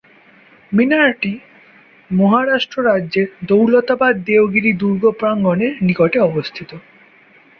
মিনারটি মহারাষ্ট্র রাজ্যের দৌলতাবাদ-দেওগিরি দুর্গ প্রাঙ্গণের নিকটে অবস্থিত।